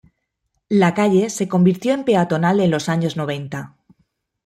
La calle se convirtió en peatonal en los años noventa.